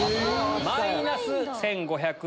マイナス１５００円。